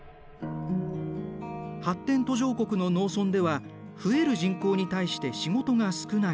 発展途上国の農村では増える人口に対して仕事が少ない。